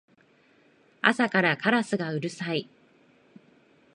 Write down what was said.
朝からカラスがうるさい